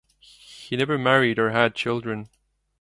He never married or had children.